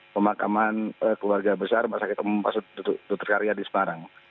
pemakaman keluarga besar masyarakat umum pasut tutut karyadi semarang